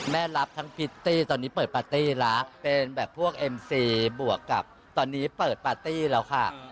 รับทั้งพิตตี้ตอนนี้เปิดปาร์ตี้แล้วเป็นแบบพวกเอ็มซีบวกกับตอนนี้เปิดปาร์ตี้แล้วค่ะ